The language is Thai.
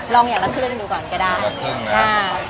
ลองอย่างละครึ่งดูก่อนก็ได้ละครึ่งนะอ่า